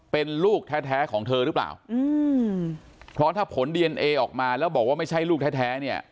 เป็นลูกแท้แท้ของเธอหรือเปล่าอืมเพราะถ้าผลดีเอนเอออกมาแล้วบอกว่าไม่ใช่ลูกแท้เนี่ย